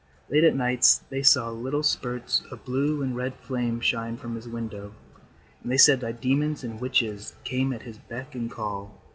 Late at nights they saw little spurts of blue and red flame shine from his window, and they said that demons and witches came at his beck and call.